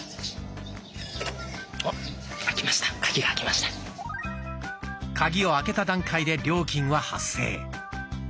カギを開けた段階で料金は発生。